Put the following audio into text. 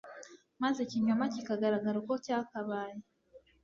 maze ikinyoma kikagaragara uko cyakabaye,